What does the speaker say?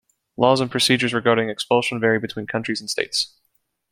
Laws and procedures regarding expulsion vary between countries and states.